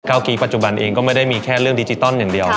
กี้ปัจจุบันเองก็ไม่ได้มีแค่เรื่องดิจิตอลอย่างเดียว